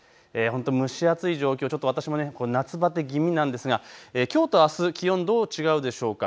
蒸し暑い状況、私も夏ばて気味なんですが、きょうとあす気温どう違うでしょうか。